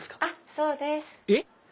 そうです。えっ？